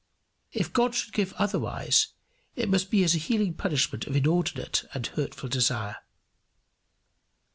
If God should give otherwise, it must be as a healing punishment of inordinate and hurtful desire.